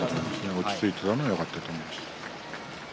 落ち着いていたのがよかったと思います。